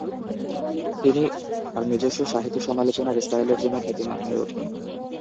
তিনি তাঁর নিজস্ব সাহিত্য সমালোচনার স্টাইলের জন্য খ্যাতিমান হয়ে ওঠেন।